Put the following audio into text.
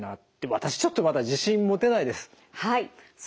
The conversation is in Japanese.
私ちょっとまだ自信持てないです。